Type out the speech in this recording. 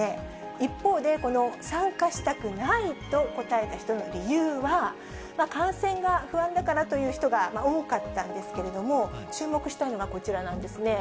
一方で、この参加したくないと答えた人の理由は、感染が不安だからという人が多かったんですけれども、注目したいのがこちらなんですね。